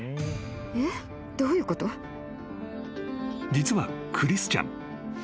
［実はクリスチャン］